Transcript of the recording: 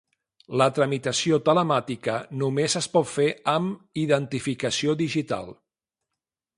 La tramitació telemàtica només es pot fer amb identificació digital.